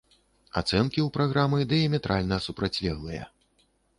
Ацэнкі ў праграмы дыяметральна супрацьлеглыя.